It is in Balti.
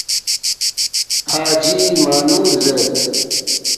”حاجی مانُور زیرید